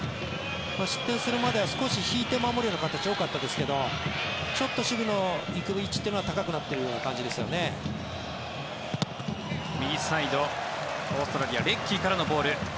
失点するまでは少し引いて守る場面が多かったですけど、ちょっと守備の行く位置というのは右サイドオーストラリア、レッキーからのボール。